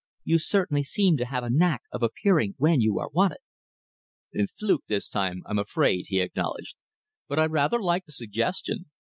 You certainly seem to have a knack of appearing when you are wanted." "Fluke this time, I'm afraid," he acknowledged, "but I rather like the suggestion.